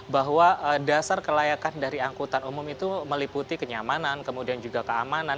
bahwa dasar kelayakan dari angkutan umum itu meliputi kenyamanan kemudian juga keamanan